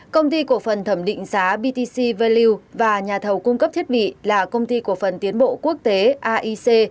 công ty cổ phần thẩm định giá btc value và nhà thầu cung cấp thiết bị là công ty cổ phần tiến bộ quốc tế aic